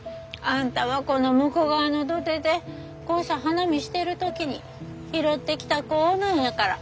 あんたはこの武庫川の土手でこうして花見してる時に拾ってきた子なんやから。